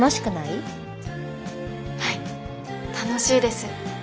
はい楽しいです。